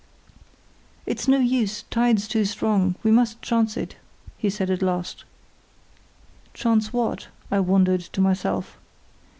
"It's no use, tide's too strong; we must chance it," he said at last. "Chance what?" I wondered to myself.